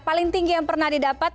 paling tinggi yang pernah didapat